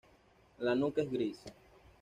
La nuca es gris.